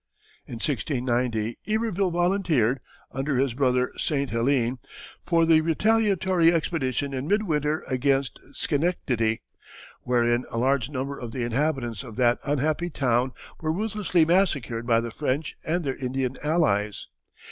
In 1690 Iberville volunteered, under his brother St. Helene, for the retaliatory expedition in mid winter against Schenectady, wherein a large number of the inhabitants of that unhappy town were ruthlessly massacred by the French and their Indian allies.